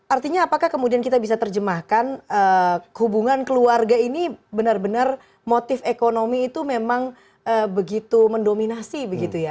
artinya apakah kemudian kita bisa terjemahkan hubungan keluarga ini benar benar motif ekonomi itu memang begitu mendominasi begitu ya